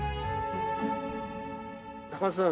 高田さん